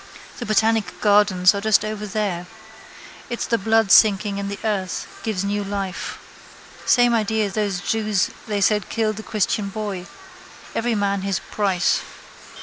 The Botanic Gardens are just over there. It's the blood sinking in the earth gives new life. Same idea those jews they said killed the christian boy. Every man his price.